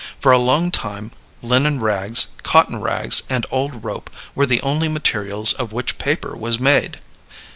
For a long time, linen rags, cotton rags, and old rope were the only materials of which paper was made.